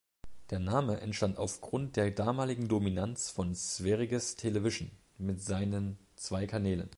Der Name entstand aufgrund der damaligen Dominanz von Sveriges Television mit seinen zwei Kanälen.